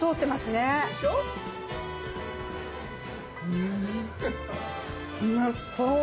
うん。